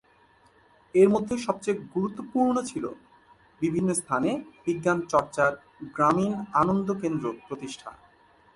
এর মধ্যে সবচেয়ে গুরুত্বপূর্ণ ছিল বিভিন্ন স্থানে বিজ্ঞান চর্চার গ্রামীণ আনন্দ কেন্দ্র প্রতিষ্ঠা।